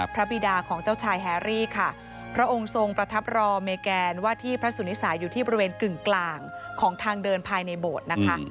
บิดาของเจ้าชายแฮรี่ค่ะพระองค์ทรงประทับรอเมแกนว่าที่พระสุนิสาอยู่ที่บริเวณกึ่งกลางของทางเดินภายในโบสถ์นะคะ